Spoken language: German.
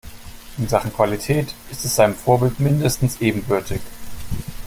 In Sachen Qualität ist es seinem Vorbild mindestens ebenbürtig.